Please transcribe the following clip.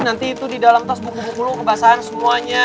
nanti itu di dalam tas kukukulu kebasan semuanya